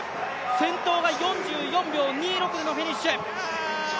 先頭が４４秒２６でのフィニッシュ。